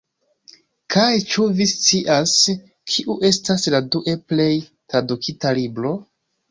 Kaj ĉu vi scias, kiu estas la due plej tradukita libro?